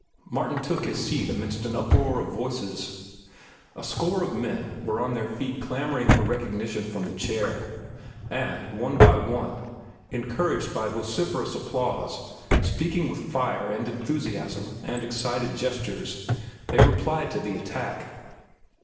Martin took his seat amidst an uproar of voices. A score of men were on their feet clamoring for recognition from the chair. And one by one, encouraged by vociferous applause, speaking with fire and enthusiasm and excited gestures, they replied to the attack.